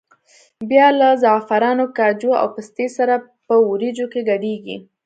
بیا له زعفرانو، کاجو او پستې سره په وریجو کې ګډېږي.